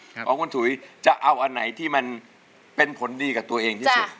ของคุณถุยจะเอาอันไหนที่มันเป็นผลดีกับตัวเองที่สุด